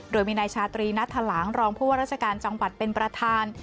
โดยมีนายชาตรีนัทธหลางรองผู้ว่าราชการจังหวัดเป็นประธาน